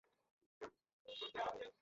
ব্রিগেডিয়ারের call, sir!